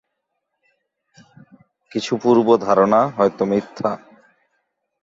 কিছু পূর্ব ধারণা হয়ত মিথ্যা।